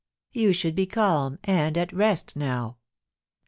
You should be calm and at rest now.'